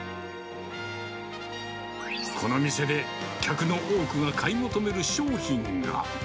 この店で客の多くが買い求める商品が。